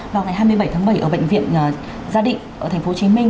vào ngày hai mươi bảy tháng bảy ở bệnh viện gia định ở thành phố chiến minh